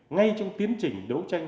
ngay trong tiến trình đấu tranh